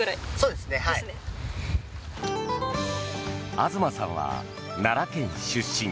東さんは奈良県出身。